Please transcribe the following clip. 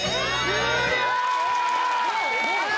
終了！